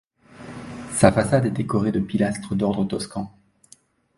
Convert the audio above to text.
Sa façade est décorée de pilastres d'ordre toscan.